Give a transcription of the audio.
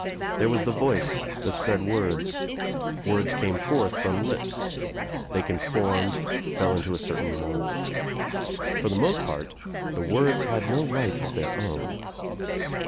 There was the voice that said words. Words came forth from lips. They conformed, fell into a certain mold. For the most part the words had no life of their own.